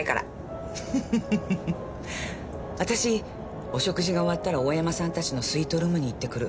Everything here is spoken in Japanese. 私お食事が終わったら大山さんたちのスイートルームに行ってくる。